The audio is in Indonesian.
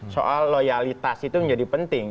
soal loyalitas itu menjadi penting